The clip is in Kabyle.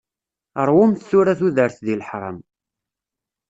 Rwumt tura tudert di laḥram.